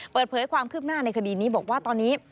เปิดเผยความคืบหน้าในคดีนี้บอกว่าตอนนี้